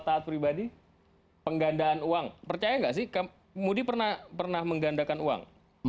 taat pribadi penggandaan uang percaya nggak sih kamu mudi pernah pernah menggandakan uang